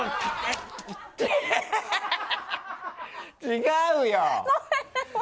違うよ！